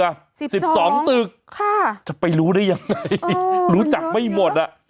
สิบสิบสองตึกค่ะจะไปรู้ได้ยังไงรู้จักไม่หมดอ่ะ